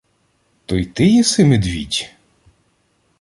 — То й ти єси медвідь?!